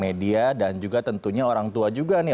media dan juga tentunya orang tua juga nih